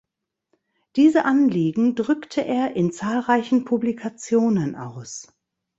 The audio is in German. Diese Anliegen drückte er in zahlreichen Publikationen aus.